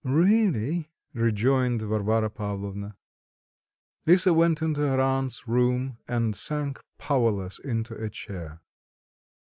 "Really!" rejoined Varvara Pavlovna. Lisa went into her aunt's room, and sank powerless into a chair.